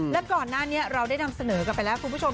และก่อนหน้านี้เราได้นำเสนอกันไปแล้วคุณผู้ชม